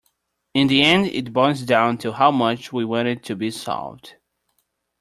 In the end it boils down to how much we want it to be solved.